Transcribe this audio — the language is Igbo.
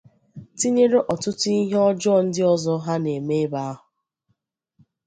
tinyere ọtụtụ ihe ọjọọ ndị ọzọ ha na-eme ebe ahụ.